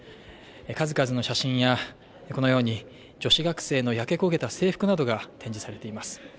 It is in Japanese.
数々の写真や女子学生の焼け焦げた制服などが展示されています。